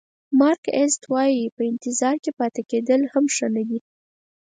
مارک ایزت وایي په انتظار کې پاتې کېدل ښه نه دي.